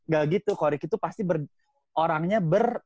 gak gitu koryki itu pasti orangnya